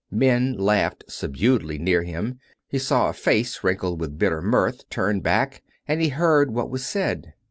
Men laughed subduedly near him; he saw a face wrinkled with bitter mirth turned back, and he heard what was said.